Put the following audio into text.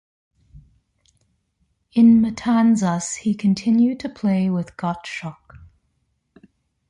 In Matanzas he continued to play with Gottschalk.